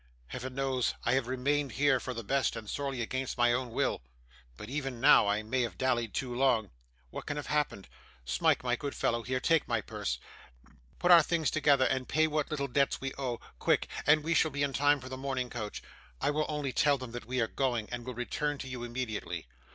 'Heaven knows I have remained here for the best, and sorely against my own will; but even now I may have dallied too long. What can have happened? Smike, my good fellow, here take my purse. Put our things together, and pay what little debts we owe quick, and we shall be in time for the morning coach. I will only tell them that we are going, and will return to you immediately.